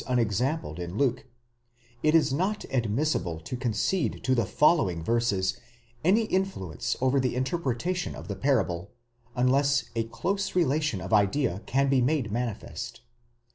sunexampled in Luke ; it is not admissible to concede to the following verses any influence over the interpretation of the parable, unless a close relation of idea can be made manifest.